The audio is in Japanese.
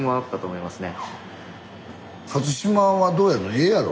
ええやろ？